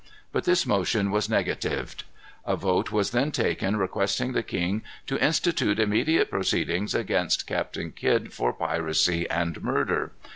But this motion was negatived. A vote was then taken requesting the king to institute immediate proceedings against Captain Kidd for piracy and murder.